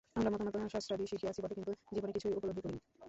আমরা মতামত ও শাস্ত্রাদি শিখিয়াছি বটে, কিন্তু জীবনে কিছুই উপলব্ধি করি নাই।